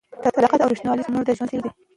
صداقت او رښتینولي زموږ د ژوند اصل دی.